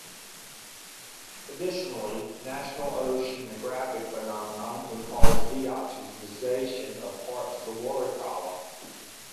Additionally, natural oceanographic phenomena can cause deoxygenation of parts of the water column.